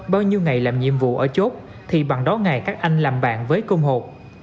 bao nhiêu ngày làm nhiệm vụ ở chốt thì bằng đó ngày các anh làm bạn với cơm hột